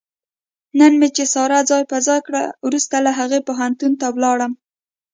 نن مې چې ساره ځای په ځای کړه، ورسته له هغې پوهنتون ته ولاړم.